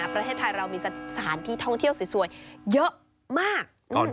ประเทศไทยเรามีสถานที่ท่องเที่ยวสวยเยอะมาก